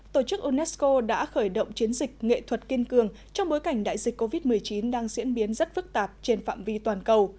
tổ chức unesco đã khởi động chiến dịch nghệ thuật kiên cường trong bối cảnh đại dịch covid một mươi chín đang diễn biến rất phức tạp trên phạm vi toàn cầu